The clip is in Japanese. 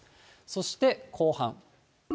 そして後半。